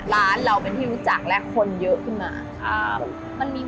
ร้านเราเป็นที่รู้จักและคนเยอะขึ้นมา